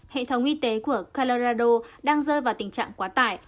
hệ thống y tế của calarado đang rơi vào tình trạng quá tải